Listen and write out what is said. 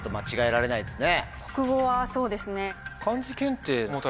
国語はそうですね。